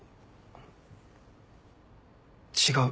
違う。